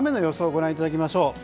ご覧いただきましょう。